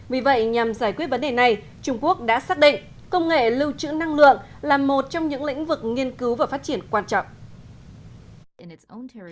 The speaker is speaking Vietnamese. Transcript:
vì vậy nhằm giải quyết vấn đề này trung quốc đã xác định công nghệ lưu trữ năng lượng là một trong những lĩnh vực nghiên cứu và phát triển quan trọng